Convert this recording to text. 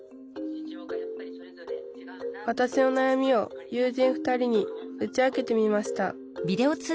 わたしのなやみを友人２人に打ち明けてみました